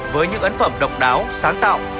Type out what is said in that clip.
với những ấn phẩm độc đáo sáng tạo